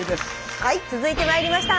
はい続いてまいりました。